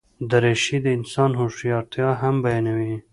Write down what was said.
دریشي د انسان هوښیارتیا هم بیانوي.